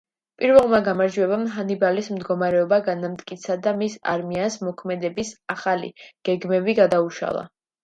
პირველმა გამარჯვებამ ჰანიბალის მდგომარეობა განამტკიცა და მის არმიას მოქმედების ახალი გეგმები გადაუშალა.